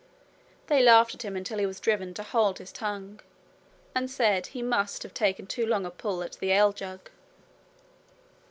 They laughed at him until he was driven to hold his tongue, and said he must have taken too long a pull at the ale jug.